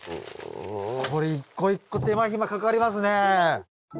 これ一個一個手間暇かかりますね。